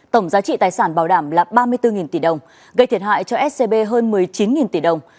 tổng giá trị tài sản bảo đảm là ba mươi bốn tỷ đồng gây thiệt hại cho scb hơn một mươi chín tỷ đồng